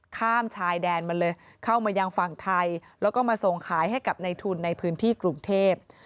ข้ามชายแดนมาเลยเข้ามายังฝั่งไทยแล้วก็มาส่งขายให้กับในทุนในพื้นที่กรุงเทพ